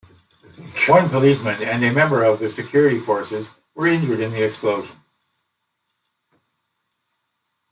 One policeman and a member of the security forces were injured in the explosion.